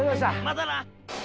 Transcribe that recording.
またな。